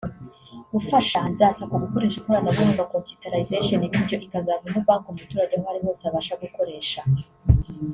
gufasha za Sacco gukoresha ikoranabuhanga (computerization) bityo ikazavamo banki umuturage aho ari hose abasha gukoresha